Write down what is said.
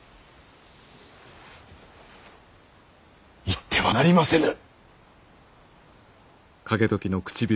行ってはなりませぬ！